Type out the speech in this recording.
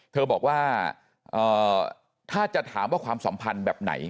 เธอบอกว่าถ้าจะถามว่าความสัมพันธ์แบบไหน